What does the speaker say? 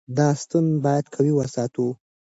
دا ستون باید قوي وساتو.